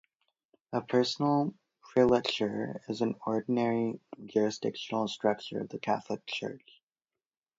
A personal prelature is an ordinary jurisdictional structure of the Catholic Church.